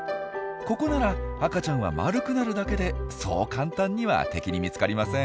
ここなら赤ちゃんは丸くなるだけでそう簡単には敵に見つかりません。